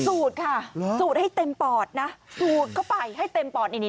สูตรค่ะสูดให้เต็มปอดนะสูดเข้าไปให้เต็มปอดนี่นี่